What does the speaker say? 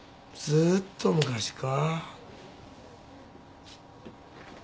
ずーっと昔か？